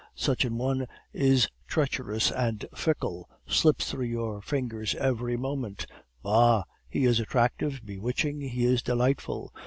Such an one is treacherous and fickle, slips through your fingers every moment; bah! he is attractive, bewitching, he is delightful!